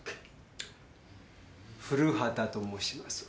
古畑と申します。